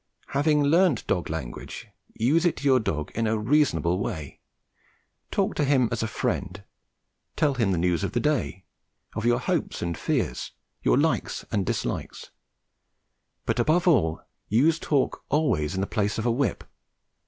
Having learnt dog language, use it to your dog in a reasonable way: talk to him as a friend, tell him the news of the day, of your hopes and fears, your likes and dislikes, but above all use talk always in the place of a whip.